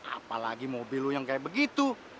apalagi mobil lu yang kayak begitu